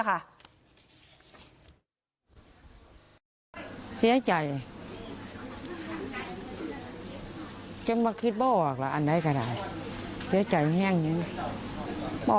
เป็นแห่งถึงประหลากก็คุกกับคุณตาใจแล้ว